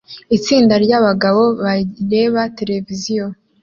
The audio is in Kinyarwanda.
Itsinda ryabagabo bareba televiziyo